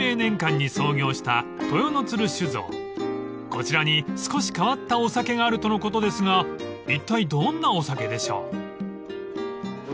［こちらに少し変わったお酒があるとのことですがいったいどんなお酒でしょう？］